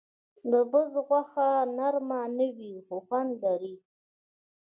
د بزه غوښه نرم نه وي، خو خوند لري.